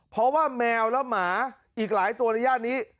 เพราะว่าแมวและหมาอีกหลายตัวในย่านนี้